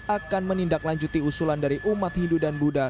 akan menindaklanjuti usulan dari umat hindu dan buddha